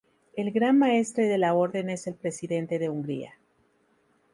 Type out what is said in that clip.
El Gran Maestre de la Orden es el Presidente de Hungría.